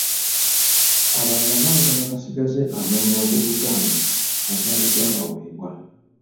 Abalala baagala basigaze amannya g’Oluganda agaali gaabaweebwa.